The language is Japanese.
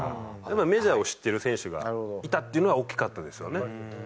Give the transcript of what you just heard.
メジャーを知ってる選手がいたっていうのは大きかったですよね。